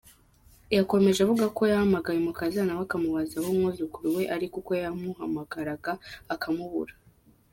Yakomeje avuga ko yahamagaye umukazana we akamubaza aho umwuzukuru we ari kuko yamuhamagara akamubura.